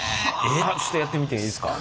ちょっとやってみていいですか？